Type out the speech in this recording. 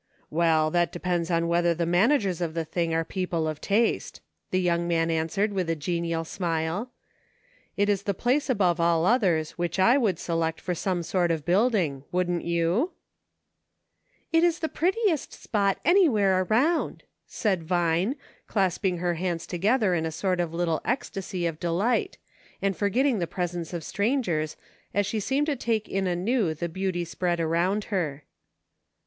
"Well, that depends on whether the managers of the thing are people of taste," the young man answered, with a genial smile. " It is the place above all others which I would select for some sort of building ; wouldn't you ?"" It is the prettiest spot anywhere around," said Vine, clasping her hands together in a sort of lit tle ecstasy of delight, and forgetting the presence of strangers, as she seemed to take in anew the beauty spread around her.